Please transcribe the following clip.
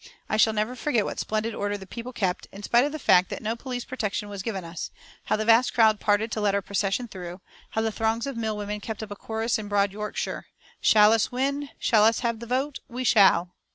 I shall never forget what splendid order the people kept, in spite of the fact that no police protection was given us; how the vast crowd parted to let our procession through; how the throngs of mill women kept up a chorus in broad Yorkshire: "Shall us win? Shall us have the vote? We shall!"